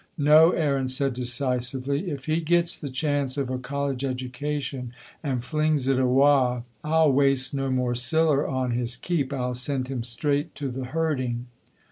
"No," Aaron said, decisively; "if he gets the chance of a college education and flings it awa', I'll waste no more siller on his keep. I'll send him straight to the herding."